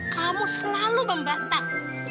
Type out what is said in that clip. kamu selalu membantah